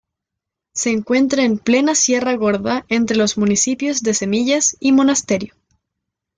Se encuentra en plena sierra Gorda entre los municipios de Semillas y Monasterio.